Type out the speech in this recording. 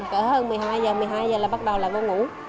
cỡ hơn một mươi hai giờ một mươi hai giờ là bắt đầu lại có ngủ